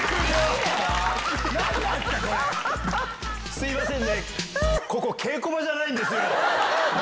すいませんね。